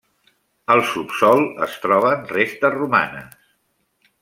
Al subsòl es troben restes romanes.